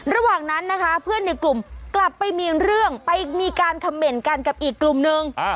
ระหว่างนั้นนะคะเพื่อนในกลุ่มกลับไปมีเรื่องไปมีการคำเมนต์กันกับอีกกลุ่มนึง